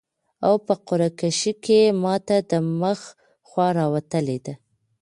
او په قرعه کشي کي ماته د مخ خوا راوتلي ده